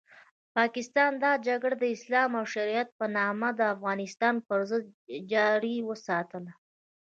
پاکستان دا جګړه د اسلام او شریعت په نامه د افغانستان پرضد جاري وساتله.